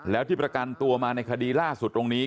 แล้วที่ประกันตัวมาในคดีล่าสุดตรงนี้